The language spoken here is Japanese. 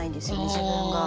自分が。